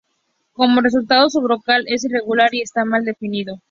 Como resultado, su brocal es irregular y está mal definido.